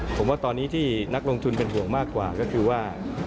ผมว่าตอนนี้ที่นักลงทุนเป็นห่วงมากกว่าก็คือว่า